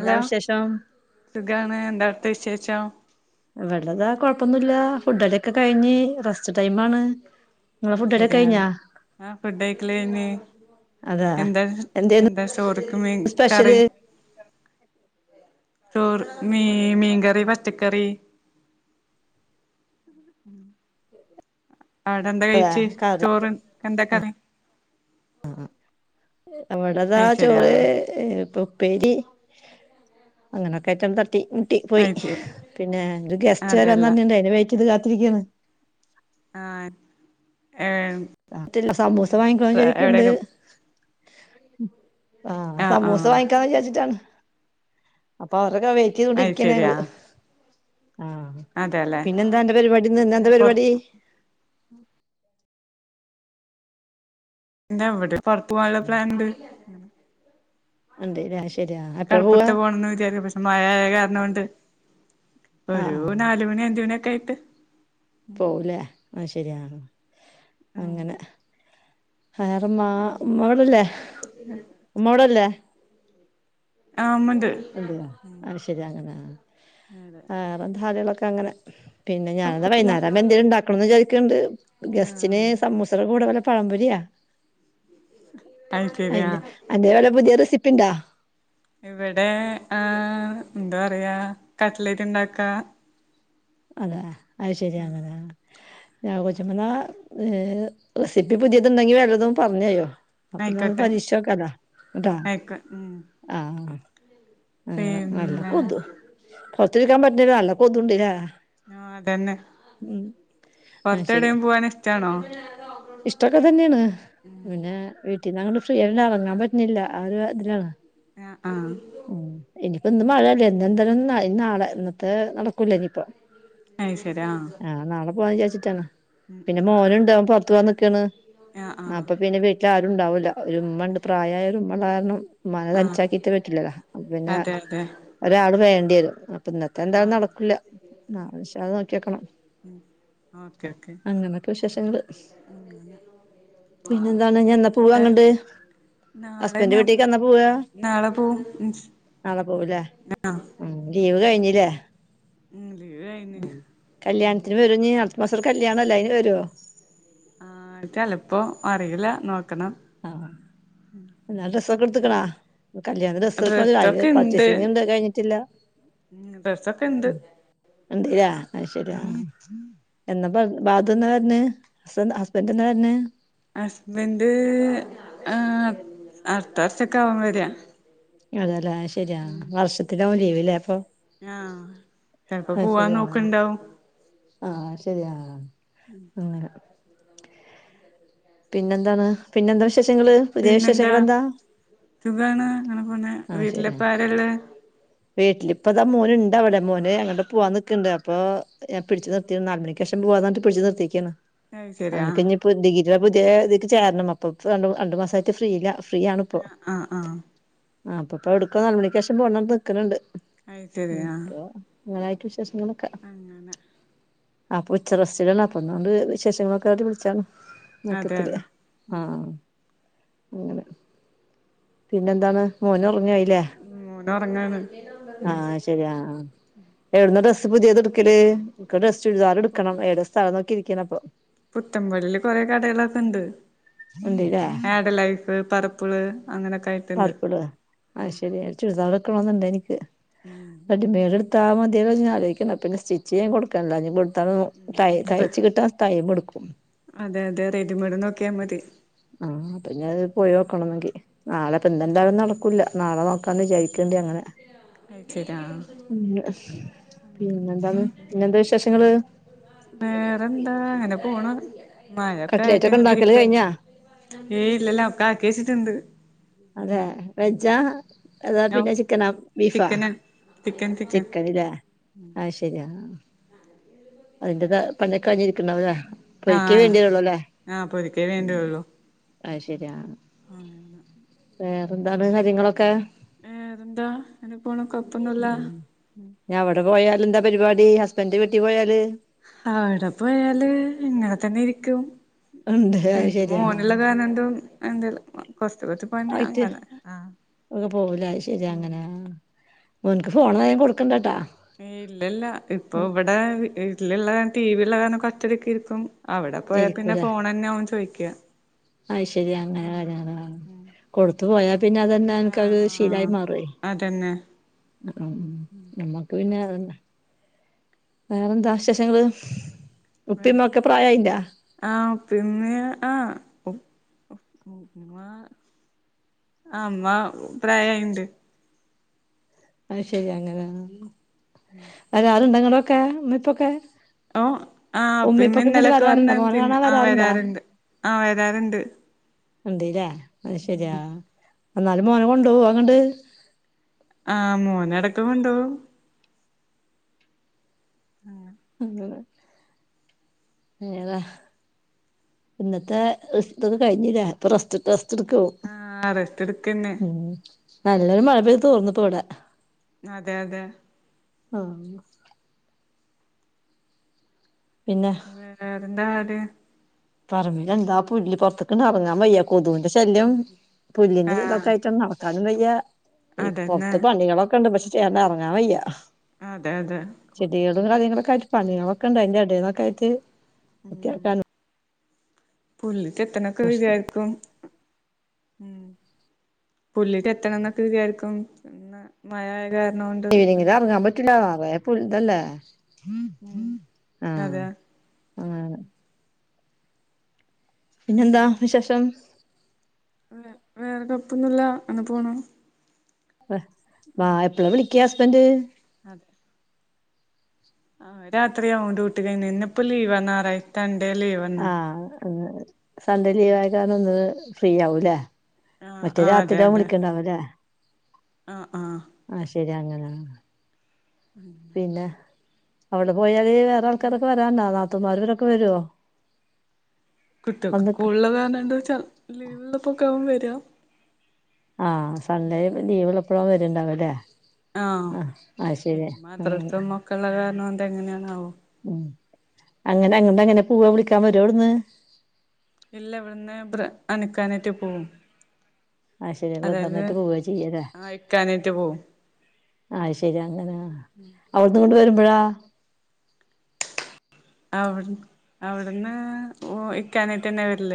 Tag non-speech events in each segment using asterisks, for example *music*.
എന്താ വിശേഷം സുഖവാണ് എന്താ അവിടുത്തെ വിശേഷം? ഇവിടെന്താ കൊഴപ്പൊന്നുല്ല. ഫുഡോക്കെ കഴിഞ്ഞ്, റെസ്റ്റ് ടൈം ആണ്. അയ് ശരിയ. ആഹ് ഫുഡയിക്കല് കഴിഞ്ഞ്. അതാ എന്താ? എന്തേന്നു എന്താ ചോറ്ക്ക് മീ കറി? സ്പെഷ്യല് ചോറ് മീ മീ കറി പച്ച കറി. അവിടെ എന്താ ആ കഴിച് ചോറ് എന്താക്കറി? ആ അവിടതാ അത് ശരി ആ ചോറ് ഉപ്പ പേരി അങ്ങനൊക്കെ അയിറ്റം സ്. ട്ടി മുട്ടി പോയി. അത് ശരി പിന്നെ എ ഗസ്റ്റ് വരാന് അതല്ല പർഞ്ട്ട്ണ്ട് ഐന വെയ്റ്റ്യ്ത് കാത്തിരിക്കയാണ്. ആ. ഏ അറ്റല്ല സമൂസ വാങ്ങിക്കണംന്ന്‌ വിചാരിക്ക് ണ്ട്. എവിടെലും ആഹ ആ ആ സമൂസ വാങ്ങിക്കാ വിചാരിച്ചിട്ടാണ് അപ്പൊ. ഓരെക്കെ വെയിറ്റ് അത് എയ്തോണ്ടിരിക്യണ് ശരിയാ ഞങ്ങള്. ആ അതെല്ലേ പിന്നെന്താഅന്റെ പരിപാടിന്ന് ന്ന്ന് ന്താ പൊറ പരിപാടി. ന്താ എവിടെ പുറത്ത് പോവാൻള്ള പ്ലാൻണ്ട്. അൻന്തേ രാശ് കടപൊര്ത്ത് പോണംന്ന് വിചാരിച്ച് പക്ഷെ മഴആയകാരണോണ്ട്. ആ ഒരു ആ നാലുമണി അഞ്ചു മണി ഒക്കായിട്ട്. പോവുംലേ ആത് ശരി യാ ഉം അങ്ങനെ. ഹേറെമ്മ ഉമ്മവടല്ലേ ഉമ്മോടല്ലേ? ആ മൻ അതെയോ ആത് ശരി അങ്ങനെ അതെ *unintelligible* ളൊക്കെ അങ്ങനെ. പിന്നെ ഞാന്ന്ന് കൊഴപ്പല്ല വൈന്നാരം എന്തേലും ഉണ്ടാക്കണന്ന് വിചാരിക്ണ് ണ്ട് ഗസ്റ്റിന് സമൂസകൾ കൂട പഴംപൊരിയാ അത് ഐ ശരിയാ അന്റെ പുദേ റെസിപ്പി. പിണ്ടാ? ഇവിടെ ആ ന്താ പറയാ കട്ടിലേറ്റ് ണ്ടാക്കാ. അതെ അത് ശരിയാണ്ലെ? ഞാൻ കൊച്ച പന്ന റെസിപ്പി പുതിയത്ണ്ടെങ്കി വല്ലതും പർഞായോ? അപ്പൊ താ ആയിക്കോട്ടെ പരീക്ഷിച്ചോക്കാലോ ക്കടാ ആയിക്കോ ഉം ആഹ. അങ്ങനെ നല്ല പിന്നെ കൊതു പൊറത്തിരിക്കാൻ പറ്റ്ണില്ല നല്ല കൊതുണ്ട്ലെ? ആ അതന്നെ അത് ശരി പൊറത്തെടയും പോഗാൻ ഇഷ്ട്ടാണോ? ഇഷ്ടൊക്കെ തന്നെണ് പിന്നെ വി ട്ടിന്ന് ഫ്രീ ആല്ല എറങ്ങാൻ പറ്റുന്നില്ല ആ ഒരിത്തിലാണ് ആഹ് ആഹ് എനി ഇന്ന് മഴയല്ലേ ഇന്നെന്താലും ഈ നാളെ ഇന്നത്തെ നടക്കൂലേ എനി. അത് ശരി ആഹ് ആ് നാളെ പോവാന്ന് വിചാച്ചിട്ടാണ് ഉം പിന്നെ ഉം മോന് ണ്ട് അവൻ പുർത്ത് പോവാൻ ന് ക് ക്കണ്. ആഹ് ആഹ് അപ്പൊ പിന്നെ വീട്ടിൽ ആരുംണ്ടാവൂല്ല ഒരു ഉമ്മ ഉണ്ട് പ്രായമായരു ഉമ്മള കാരണം മ്മാനെ ആഹ് തനിച്ചാക്കിയിട്ട് വീട്ടില് പിന്നെ അതെ അതെ ഒരാള് വേണ്ടി വരും. അപ്പം ഇന്നത്തെ എന്താലും ആഹ് നടക്കില്ല നാളെ ഇൻഷാ അള്ളാ നോക്കി നോക്കണം. ഓക്കെ ഓക്കെ അങ്ങനൊക്കെ വിശേഷങ്ങള്. *unintelligible* പിന്നെ എന്താണ് ഞഎന്നാ പോവാ അങ്ങണ്ട്? പിന്നെന്താ നാളെ ഞാ നാളെ പോവും. നാളെ പോവലേ ആഹ് ഉ ലീവ് കഴിഞ്ഞില്ലേ? ഉം ലീവ് കഴിഞ്ഞ് കല്യാണത്തിന് വരോഞ്ഞീ അടുത്ത മാസം കല്യാണല്ലെ അതിന് വരോ? ആ ചെലപ്പോ അറിയില്ല നോക് ആഹ. ഡ്രസോക്കേട് ത്ക്ണാ? കല്യാണത്തിന് ഡ്രസ്സെടുക്കണം അതിന് ഡ്രസ്സൊക്കെ ഇണ്ട് പർച്ചേസിംഗ് ണ്ട് അത് കഴിഞ്ഞിട്ടില്ല. ഉം ഡ്രസ്സൊക്കെ ഇണ്ട് ഉം ന്തരാ ആഹ്ശരിയാ ഉം എന്ന ബാ ബാദൊന്നാ വെര്ന് ഹസ്ബന്റ് എന്നാവെര്ന്ന്. ഹസ്ബൻഡ് ആ അട്ത്ത വർസെകുവാര. അതല്ലേ അത് ശെരിയാ വർഷത്തി ലാവും ലീവില്ലേ അപ്പൊ. തനപ്പോ അത് പോവാൻ ശരി ആഹ് നോക്കണ്ടാവും. ആഹ് ശരിയാ അങ്ങനെ പിന്നെന്താണ്? പിന്നെന്താ വിശേഷങ്ങള്? പുതിയ പിന്നെന്താ വിശേഷങ്ങൾ എന്താ? സുഖാണ്. അങ്ങനെ പോണെ. വീട്ടിലെപ്പ ആരെള്ള? വീട്ടിലിപ്പ ഇതാ മോൻ ഇണ്ടാവിടെ മോന്ങ്ങട്ട് പോവാൻ നിക്കുണ്ട്. അപ്പൊ ഞാൻ പിടിച്ചു നിർത്തി നാല് മണിക്കം പോവാതണ്ട് പിടച്ച് നിർത്തിക്കയാണ് ശരിയാ. ഇ പുതിയ ഇതിക്ക് ചേരണം അപ്പൊ രണ്ടു മാസമായിട്ട് ഫ്രീയില്ല. ഫ്രീ ആണിപ്പോ ആ. ആഹ്. ആ ആ അപ്പൊ എടുക്ക നാല് മണിക്ക ശേഷം പോണം നിൽക്കുന്നു ണ്ട് ഐശ്ശേരി ആ... നിങ്ങളായിട്ട് വിശേഷങ്ങളൊക്കെ അപ്പൊ ഉച്ചറസ്റ്റിലാണ് അപ്പൊ അതുകൊണ്ട് വിശേഷങ്ങളൊക്കെ അറിയാൻ വിളിച്ചാണ് അതെ മയക്കത്തിൽ അതെ അങ്ങനെ പിന്നെ എന്താണ്? മോന ഉറങ്ങിയായി. മോൻ ഒറങ്ങാണ് ആഹ.. ശരിയാ... എവിന്നാ ഡ്രസ്സ് പുതിയത്ടുക്കല് ഡ്രസ്സ്‌ ചുരിദാർ ടുക്കണം ഏതാ സ്ഥലം നോക്കി ഇരിക്കണ അപ്പൊ പുത്തൻപള്ളിയില് കുറെ കടകളൊക്കെ ഇണ്ട്. ഉണ്ട്ല്ലേ ആഡ് ലൈഫ്, പറപ്പിള് അങ്ങനെയൊക്കെ ആയി പാർപ്പിള ആ ശരിയ ചുരിദാരൊക്കെ വക്കണെന്നുണ്ട എനിക്ക് ഉം. അ മതിയല്ലോ അതികം ആലോക്കണ്ട പിന്നെ സ്റ്റിച് ചെയാൻ കൊടുക്കണ്ട? അ. ഉം തയ്ച്ച കിട്ടാൻ ടൈം എടുക്കും. അതെ... അതെ.. റെഡിമേഡ് നോക്കിയാ മതി. ആഹ് അപ്പൊ ഇനി അത് പോയി നോക്കണം ന്നെങ്കി നാളെ ഇപ്പൊ എന്തെന്തായാലും നടക്കൂല്ല നാളെ നോക്കാന്ന് വിചാരിക്ണ്ട് അങ്ങനെ ഉം *unintelligible* പിന്നെന്താണ് പിന്നെന്താ വിശേഷങ്ങള് വേറെന്താ അങ്ങനെ പോണ മഴൊക്കെ ആയിട്ട കട്ട്ലേറ്റ് ഒക്കെ ഇങ്ങനെ ഉണ്ടാക്കല് ഇരിക്കണ് കഴിഞ്ഞാ ഏയ് ഇല്ലല്ല ഒക്കെ ആക്കി വച്ചിട്ടുണ്ട്.. അതെ വെജാ അതാ ഓ പിന്നെ ചിക്കനാ ബീഫാ ചിക്കനാ ചിക്കൻ ചിക്കൻ ചിക്കനില്ല ആഹ ശരിയാ! അതിന്റെ പണി ക്കഴിഞ്ഞിരിക്കണ്ടാവില്ലേ ആ പൊരിക്കൻ വേണ്ടിയതള്ളുല്ലേ. ആ പൊരിക്കേ വേണ്ടിയുള്ളൂ അ ശരിയ *unintelligible* വേറെന്താണ്? കാര്യങ്ങളൊക്കെ? ഏതന്താ? എനി പോണ് കൊപ്പൊന്നുമില്ല ഇനി അവിടെ പോയാൽ എന്താ പരിപാടി ഹസ്ബന്ഡറ് വീട്ടി പോയാല് അവിടെ പോയാല് ഇങ്ങനെ തന്നെ ഇരിക്കും. ഉണ്ട് അത് പിന്ന ശരിയാ മോനുള്ള കാരണം എന്തോ എന്തേല ആയിട്ട് ഒക്കെ പോവല ശരിയാ ഉം അങ്ങനെ മോന്ക്ക് ഫോൺ ങ്ങനെ കൊടുക്കണ്ടട്ടാ. ഇല്ലല്ല ഇപ്പൊ ഇവിടെ ഇലുള്ള ടി. വി ഇള കാരണം കൊറചൊക്കെ ഇരിക്കും. അവിടെ പോയാ പിന്നെ ഫോൺന്നെയ ഓൻ ചോദിക്കുക അ ശരി അങ്ങനൊന ഉം കൊടുത്തു പോയാ പിന്നെ അതന്നെ ഒനക്കരു ശീലായി ആഹ് മാറേ അതന്നെ നമ്മക്ക് പിന്നെ വേറെന്താ വിശേഷങ്ങള്? ഉപ്പിമ്മൊക്കെ പ്രായായിണ്ടാ ആഹ പിന്നെ ആഹ. ഓഓഓ ഉമ്മ അമ്മ പ്രായമായിണ്ട് ആഹ ശരി അങ്ങനെ ഉം. ണ്ടങ്ങടൊക്കെ ഇപ്പൊക്കെ? ഓ ആ ഉപ്പേം ഉമ്മേം ഇന്നലൊക്കെ വരാറുണ്ടോ വന്ന് മോനെ പിന്നെ കാണാൻ ആ വരാറുണ്ടാ വരാറുണ്ട്. ആ വരാറുണ്ട്. ഉണ്ടല്ലേ അത് ശെരിയാ ഉം എന്നാലും മോന കൊണ്ട പോവോ അങ്ങണ്ട്? ആ മോനടക്ക് കൊണ്ടോവും. അങ്ങനെ ഏതാ? ഇന്നത്തെ *unintelligible* കഴിഞ്ഞില്ലേ ഇപ്പൊ ക്കവും ആ റെസ്റ്റ് എടുക്കന്നെ ഉം നല്ലൊരു മഴ പെയ്ത് തോർന്നിപ്പോ ഇവിടെ. അതെ അതെ. ആ പിന്നെ വേറെന്താ അത്? പറമ്പിൽ എന്താ പുല്ല് പുറത്തക്ക ഇറങ്ങാൻ വയ്യ. കൊതുവിന്റെ ശല്യം പുല്ലിന്റെ *unintelligible* ആഹ് ഇതൊക്കായിട്ട് നടക്കാനും വയ്യ. ഇ അതന്നെ പൊറത്ത് പണികളൊക്കെ ഉണ്ട് പക്ഷെ *unintelligible* ഇറങ്ങാൻ വയ്യ. അതെ അതെ ചെടികളും കൊതുകുണ്ട് കാര്യങ്ങളൊക്കെ ആയിട്ട് ഉം പണികളൊക്കെ ഉണ്ട് അതിന്റെ എടന്നൊക്കെ ആയിട്ട് *unintelligible* *unintelligible* ഉം പുല്ല് ചെത്തണം എന്നൊക്കെ വിചാരിക്കും *unintelligible* മഴ *unintelligible* ഉം അതെ. ആ. പിന്നെന്താ വിശേഷം? വേറെ *unintelligible* അങ്ങനെ പോണ്. വാ എപ്പളാ വിളിക്ക ഹസ്ബന്ഡറ്? *inaudible* ആ രാത്രിയാവും ഡ്യൂട്ടി കഴിഞ്ഞ ഇന്ന് ഇപ്പോ ലീവ *unintelligible* ആ സൺഡേ ലീവ് ആയത് കാരണം ഇന്ന് ഫ്രീ ആവൂല്ലേ? ആഹ് മറ്റേ ആഹ് അതെ അതെ രാത്രിയാവുംവിളിക്കണ്ടാവല്ലേ ആഹ് ആഹ് ആ ശരി അങ്ങനെ ഉം. പിന്നെ അവിടെ പോയാൽവേറെ ആൾക്കാരൊക്കെ വരണ്ടനാത്മ മ് ക്കെ വരുവോ? *unintelligible* വന്ന് ലീവള്ളപ്പൊ ഒക്കെ വരുക. ആ സൺഡേ ലീവ് ഉള്ളപ്പോഴാ വരവ്ണ്ടാവല്ലേ? ആ അങ്ങനെ മദ്രസ്സേം ഒക്കെ ഉള്ള കാരണം എന്ത എങ്ങനെയാണാവോ. ഉം അങ്ങനെ അങ്ങഡാങ്ങനെ പൂവാ വിളിക്കാൻ വരോ അവിടുന്ന്? ഇല്ല ഇവിടുന്ന് ബ്ര അണുക്കാനായിട്ട് പോവും. ആഹ് ശരി അതായത് ബ്രദറിനേറ്റ് പോവാ ചെയ്യല്ലേ ആ ഇക്കാനായിട്ട് പോവും. ആ ശരി അങ്ങനെ അവിടുന്ന് ഇങ്ങോട് വരുമ്പോഴാ? അ അവിടന്ന് ഓഇക്കാനായിട്ടെന്നെ വരൽ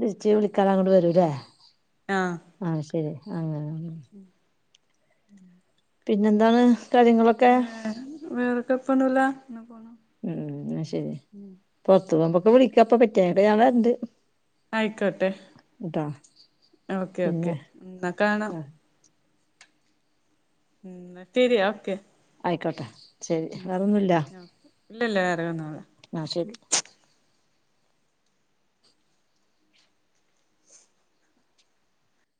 തിരിച്ച് വിളിക്കാൻ അങ്ങോട്ട് വരൂല്ലേ ആഹ് ആ ശരി അങ്ങനെ പിന്നെന്താണ്? കാര്യങ്ങളൊക്കെ ഏ വേറെക്കെപ്പൊന്നുല്ല. ഉം ന്നാ ശരി പൊറത്തു പോകുമ്പോക്കെ വിളിക്ക അപ്പ പറ്റേക്കെ ഞാൻ വരണ്ട്. ആയിക്കോട്ടെ ട്ടോ ഓക്കെ ഓക്കെ പിന്നെ ന്നാ കാണാം. ആഹ് ഉം തരി ഓക്കെ. ആയിക്കോട്ടെ ശരി വേറൊന്നുല്ല ഇല്ലല്ല വേറെ ഒന്നുമില്ല ന്നാആ ശരി.